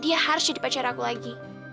dia harus jadi pacar aku lagi